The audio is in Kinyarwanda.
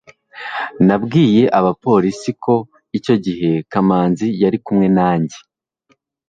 nabwiye abapolisi ko icyo gihe kamanzi yari kumwe nanjye